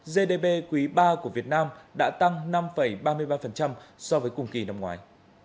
gdp quý ba của việt nam đã tăng năm ba mươi ba so với cùng kỳ năm ngoài